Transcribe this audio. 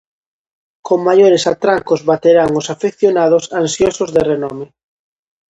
Con maiores atrancos baterán os afeccionados ansiosos de renome.